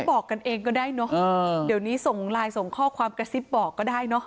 บอกกันเองก็ได้เนอะเดี๋ยวนี้ส่งไลน์ส่งข้อความกระซิบบอกก็ได้เนอะ